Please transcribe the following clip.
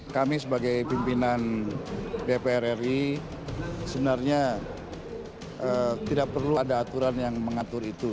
kami sebagai pimpinan dpr ri sebenarnya tidak perlu ada aturan yang mengatur itu